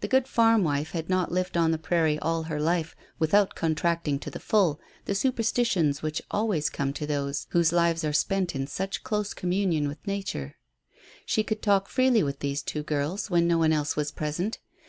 The good farm wife had not lived on the prairie all her life without contracting to the full the superstitions which always come to those whose lives are spent in such close communion with Nature. She could talk freely with these two girls when no one else was present.